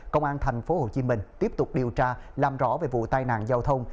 công an thành phố hồ chí minh tiếp tục điều tra làm rõ về vụ tai nạn giao thông